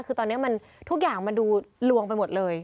คือตอนนี้มันทุกอย่างมันดูลวงไปหมดเลย